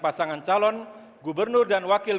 pasangan calon gubernur dan wakil